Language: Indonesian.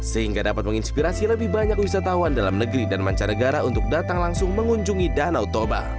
sehingga dapat menginspirasi lebih banyak wisatawan dalam negeri dan mancanegara untuk datang langsung mengunjungi danau toba